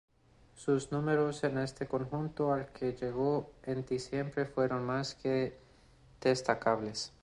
Sus números en este conjunto, al que llegó en Diciembre, fueron más que destacables.